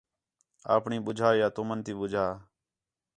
اپݨی ٻُجھا یا تُمن تی ٻُجھا